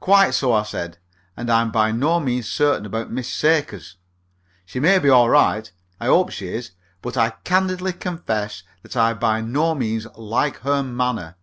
"Quite so," I said, "and I'm by no means certain about Miss Sakers. She may be all right. I hope she is. But I candidly confess that I by no means like her manner."